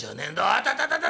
あたたたた！